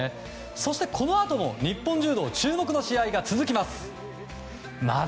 そしてこのあとも日本柔道注目の試合が続きます。